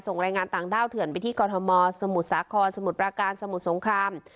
รายงานต่างด้าวเถื่อนไปที่กรทมสมุทรสาครสมุทรประการสมุทรสงคราม